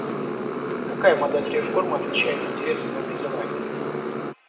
Какая модель реформы отвечает интересам Новой Зеландии?